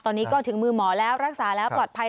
ตอนนี้ก็ถึงมือหมอแล้วรักษาแล้วปลอดภัย